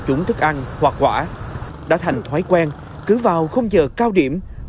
chuẩn thức ăn hoặc quả đã thành thói quen cứ vào không giờ cao điểm